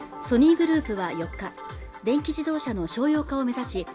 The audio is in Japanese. ソニーグループは４日電気自動車の商用化を目指し